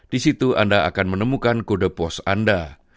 di situ anda akan menemukan kode pos anda